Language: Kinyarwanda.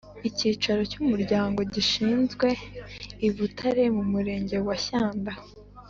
Icyicaro cy’umuryango gishyizwe i Butare mu murenge wa Shyanda